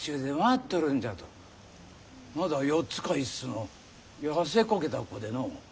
まだ４つか５つの痩せこけた子でのう。